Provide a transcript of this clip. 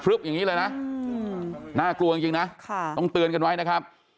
อย่างนี้เลยนะน่ากลัวจริงนะต้องเตือนกันไว้นะครับ